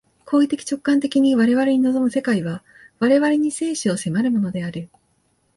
行為的直観的に我々に臨む世界は、我々に生死を迫るものである。